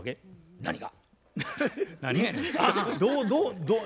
何が？